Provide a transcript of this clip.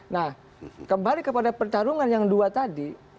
nah kembali kepada pertarungan yang dua tadi